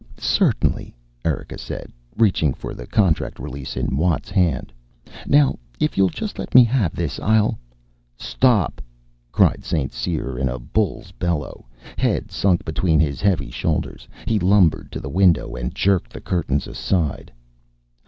"Certainly," Erika said, reaching for the contract release in Watt's hand. "Now if you'll just let me have this, I'll " "Stop!" cried St. Cyr in a bull's bellow. Head sunk between his heavy shoulders, he lumbered to the window and jerked the curtains aside.